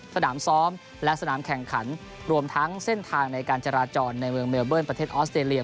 สนามซ้อมและสนามแข่งขันรวมทั้งเส้นทางในการจราจรในเมืองเมลเบิ้ลประเทศออสเตรเลีย